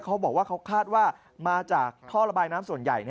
เขาบอกว่าเขาคาดว่ามาจากท่อระบายน้ำส่วนใหญ่